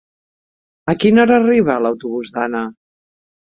A quina hora arriba l'autobús d'Anna?